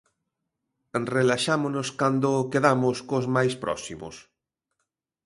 Relaxámonos cando quedamos cos máis próximos?